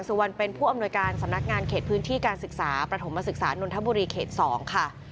สุวรรณเป็นผู้อำนวยการสำนักงานเขตพื้นที่การศึกษาประถมศึกษานนทบุรีเขต๒ค่ะ